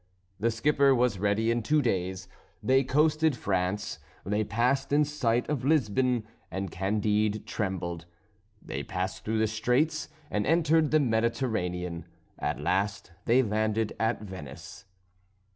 The skipper was ready in two days. They coasted France; they passed in sight of Lisbon, and Candide trembled. They passed through the Straits, and entered the Mediterranean. At last they landed at Venice.